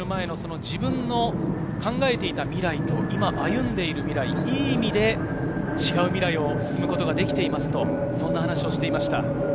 今シーズンデビューするまで、自分の考えていた未来と、今、歩んでいる未来、いい意味で違う未来を進むことができていますと、そんな話をしていました。